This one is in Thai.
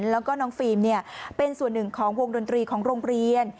แล้วก็น้องฟิล์มเป็นส่วนหนึ่งของวงดนตรีของโรงเรียน